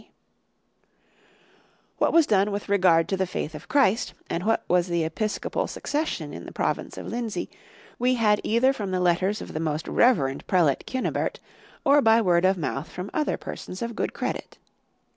(17) What was done with regard to the faith of Christ, and what was the episcopal succession in the province of Lindsey,(18) we had either from the letters of the most reverend prelate Cynibert,(19) or by word of mouth from other persons of good credit.